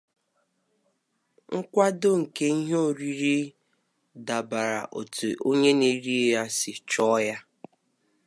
The application’s algorithm matches the available food to the suitable recipient.